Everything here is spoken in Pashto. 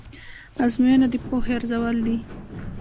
ازموینه د پوهې ارزول دي.